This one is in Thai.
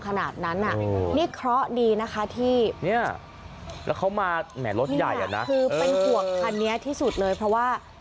ขนาดนั้นอ่ะนี่เคราะห์ดีนะคะที่เนี่ยแล้วเขามาแหมรถใหญ่อ่ะนะคือเป็นห่วงคันนี้ที่สุดเลยเพราะว่า